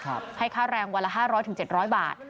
ครับให้ค่าแรงวันละห้าร้อยถึงเจ็ดร้อยบาท